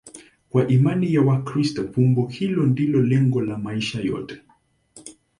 Kwa imani ya Wakristo, fumbo hilo ndilo lengo la maisha yote.